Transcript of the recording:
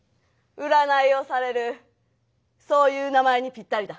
占いをされるそういう名前にピッタリだ。